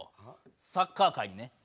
サッカー界にね。